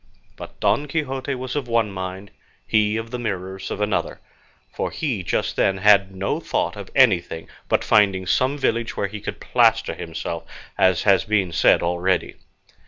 But Don Quixote was of one mind, he of the Mirrors of another, for he just then had no thought of anything but finding some village where he could plaster himself, as has been said already.